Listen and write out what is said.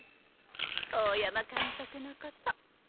大山監督のこと。